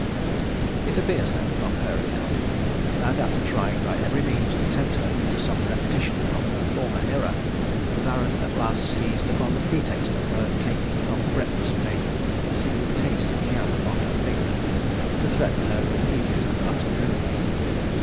It appears, then, from her account, that after trying by every means to tempt her into some repetition of her former error, the Baron at last seized upon the pretext of her taking from the breakfast table a single taste of jam upon her finger, to threaten her with immediate and utter ruin.